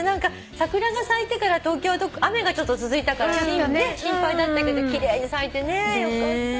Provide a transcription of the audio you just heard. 桜が咲いてから東京は雨が続いたから心配だったけど奇麗に咲いてよかったね。